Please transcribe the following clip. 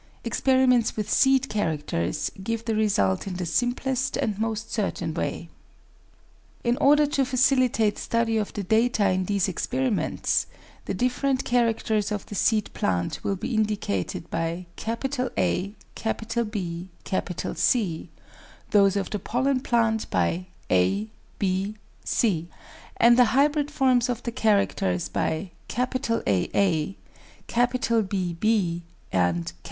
Experiments with seed characters give the result in the simplest and most certain way. In order to facilitate study of the data in these experiments, the different characters of the seed plant will be indicated by A, B, C, those of the pollen plant by a, b, c, and the hybrid forms of the characters by Aa, Bb, and Cc.